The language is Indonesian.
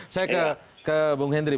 saya ke bung hendrik